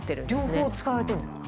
両方使われてるんですね。